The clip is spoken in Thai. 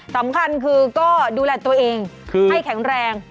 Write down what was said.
สำคัญคือก็ดูแลตัวเองให้แข็งแรง